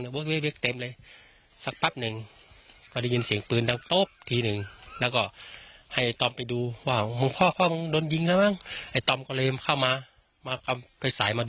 ในบ้านตัวเองด้วย